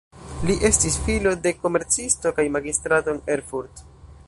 Li estis filo de komercisto kaj magistrato en Erfurt.